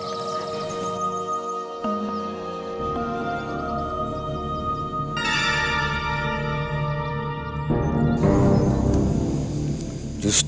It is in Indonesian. lalu siap